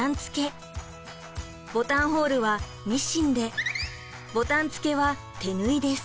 ボタンホールはミシンでボタン付けは手縫いです。